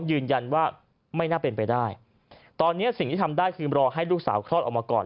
ยืนยันว่าไม่น่าเป็นไปได้ตอนนี้สิ่งที่ทำได้คือรอให้ลูกสาวคลอดออกมาก่อน